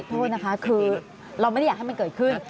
โทษนะคะคือเราไม่ได้อยากให้มันเกิดขึ้น